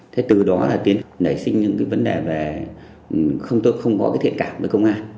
thế từ đó là tiến nảy sinh những vấn đề về không có thiện cảm với công an